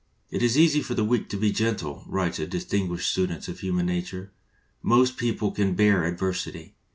"It is easy for the weak to be gentle," writes a distinguished student of human nature. "Most people can bear adversity.